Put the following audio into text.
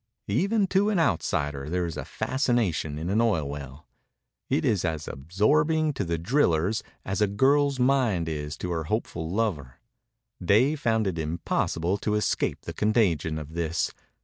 Even to an outsider there is a fascination in an oil well. It is as absorbing to the drillers as a girl's mind is to her hopeful lover. Dave found it impossible to escape the contagion of this.